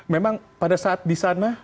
memang pada saat di sana